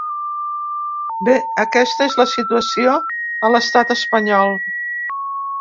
Bé, aquesta és la situació a l’estat espanyol.